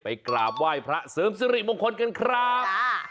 กราบไหว้พระเสริมสิริมงคลกันครับ